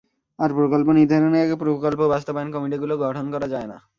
আর প্রকল্প নির্ধারণের আগে প্রকল্প বাস্তবায়ন কমিটিগুলো গঠন করা যায় না।